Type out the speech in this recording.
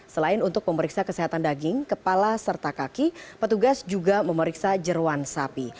selain untuk pemeriksa kesehatan daging kepala serta kaki petugas juga memeriksa jeruan sapi